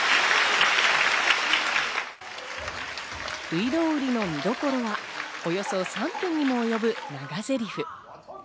『外郎売』の見どころはおよそ３分にも及ぶ長ゼリフ。